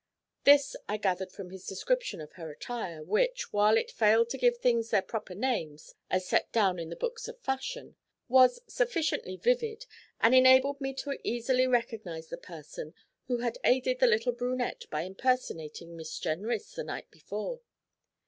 This I gathered from his description of her attire, which, while it failed to give things their proper names as set down in the books of fashion, was sufficiently vivid, and enabled me to easily recognise the person who had aided the little brunette by impersonating Miss Jenrys the night before.